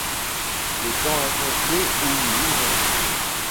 Les temps incomplets où nous vivons.